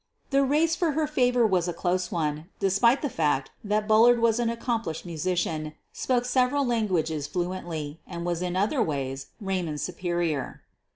The race for her favor was a close one, despite the fact that Bullard was an accomplished musi cian, spoke several languages fluently, and was in other ways Raymond's superior.